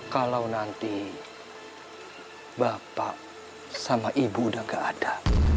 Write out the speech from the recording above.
kalau nanti bapak sama ibu udah gak ada